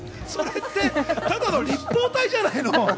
それってただの立方体じゃないの？